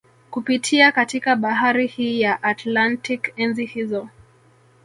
Kupitia katika bahari hii ya Atlantik enzi hizo